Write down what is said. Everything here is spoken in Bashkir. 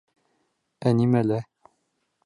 Ә нимәлә?